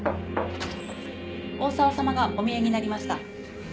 大沢様がお見えになりました。